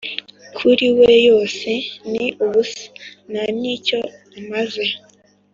kuri we yose ni ubusa, nta n’icyo amaze.